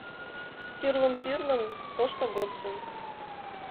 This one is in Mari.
Тӱрлым-тӱрлым, тошто годсым